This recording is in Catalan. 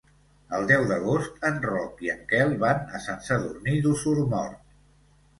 El deu d'agost en Roc i en Quel van a Sant Sadurní d'Osormort.